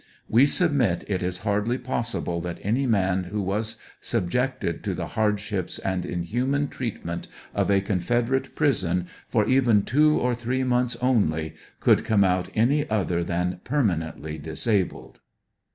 We submit, it is hardly possible that any man who was sub jected to the hardships and inhuman treatment of a Confederate prison for even two or three months only, could come out any other than permanently disabled.